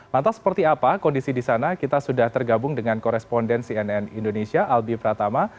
lantas seperti apa kondisi di sana kita sudah tergabung dengan koresponden cnn indonesia albi pratama